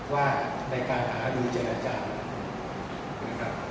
ว่าในการหารือเจรจานะครับ